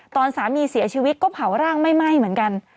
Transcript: ตอนสามีเสียชีวิตก็เผาร่างไม่ไหม้เหมือนกัน